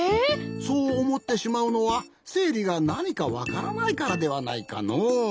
そうおもってしまうのはせいりがなにかわからないからではないかのう。